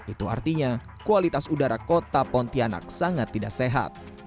itu artinya kualitas udara kota pontianak sangat tidak sehat